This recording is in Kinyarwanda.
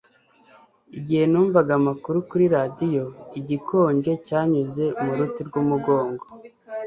igihe numvaga amakuru kuri radiyo, igikonje cyanyuze mu ruti rw'umugongo